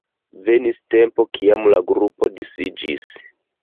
Venis tempo kiam la grupo disiĝis.